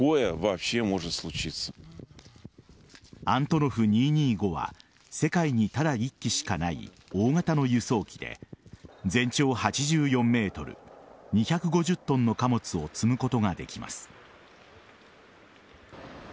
アントノフ２２５は世界にただ１機しかない大型の輸送機で全長８４ｍ２５０ｔの貨物を積むことができます。